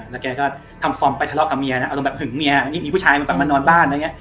แล้วแกก็ทำฟอร์มไปทะเลาะกับเมียนะอารมณ์แบบเห็นเมียมีผู้ชายมานอนบ้าน